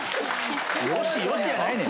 よしよしやないねん。